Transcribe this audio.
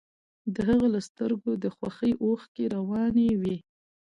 د هغه له سترګو د خوښۍ اوښکې روانې وې